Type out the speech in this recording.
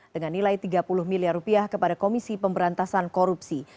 dengan nilai tiga puluh miliar rupiah kepada komisi pemberantasan korupsi